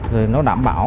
rồi nó đảm bảo